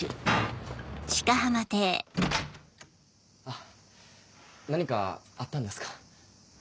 あっ何かあったんですか？